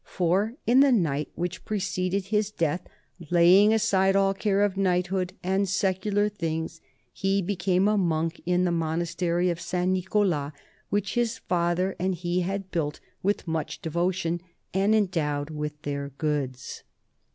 For in the night which preceded his death, laying aside all care of knighthood and secular things, he became a monk in the monastery of St. Nicholas, which his father and he had built with much devotion and endowed with their goods.